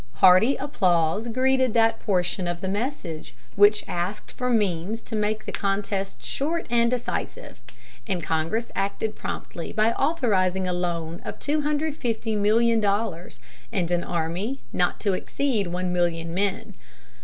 Hearty applause greeted that portion of the message which asked for means to make the contest short and decisive; and Congress acted promptly by authorizing a loan of $250,000,000 and an army not to exceed one million men.